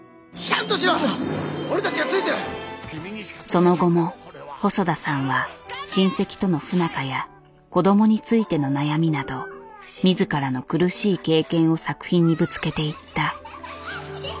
その後も細田さんは親戚との不仲や子供についての悩みなど自らの苦しい経験を作品にぶつけていった。